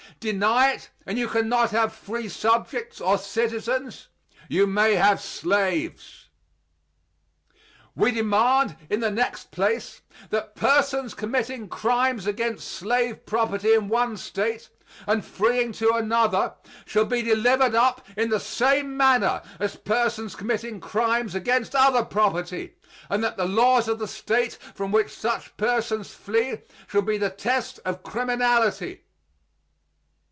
Deny it and you can not have free subjects or citizens; you may have slaves. We demand, in the next place, "that persons committing crimes against slave property in one State, and fleeing to another, shall be delivered up in the same manner as persons committing crimes against other property, and that the laws of the State from which such persons flee shall be the test of criminality."